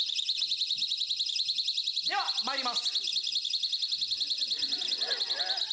ではまいります。